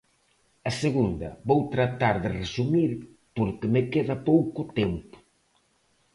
A segunda, vou tratar de resumir porque me queda pouco tempo.